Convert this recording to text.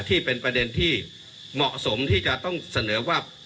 ที่เป็นประเด็นที่เหมาะสมที่จะต้องเสนอว่า